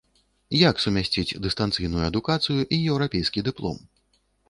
Як сумясціць дыстанцыйную адукацыю і еўрапейскі дыплом?